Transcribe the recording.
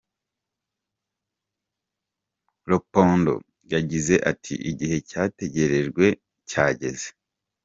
Lopombo yagize ati “Igihe cyategerejwe cyageze.